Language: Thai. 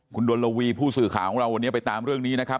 คุณดนลวีผู้สื่อข่าวของเราวันนี้ไปตามเรื่องนี้นะครับ